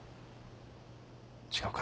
違うか？